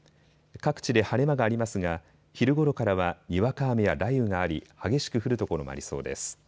各地で晴れ間がありますが昼ごろからはにわか雨や雷雨があり激しく降る所もありそうです。